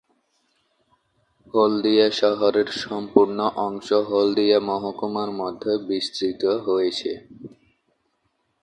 হলদিয়া শহরের সম্পূর্ণ অংশ হলদিয়া মহকুমার মধ্যে বিস্তৃত হয়েছে।